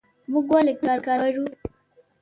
موږ ولې کار غواړو؟